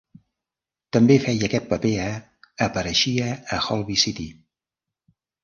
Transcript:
També feia aquest paper a apareixia a "Holby City".